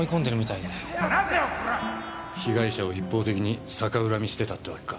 被害者を一方的に逆恨みしてたってわけか。